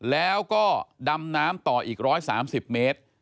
แล้วก็ดำน้ำต่ออีก๑๓๐เมตร